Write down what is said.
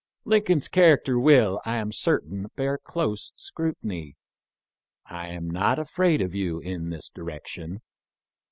Lincoln's char acter will, I am certain, bear close scrutiny. I am PREFACE. ix not afraid of you in this direction.